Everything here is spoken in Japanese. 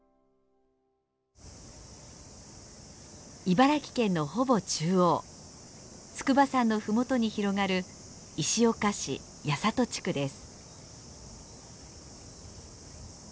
茨城県のほぼ中央筑波山の麓に広がる石岡市八郷地区です。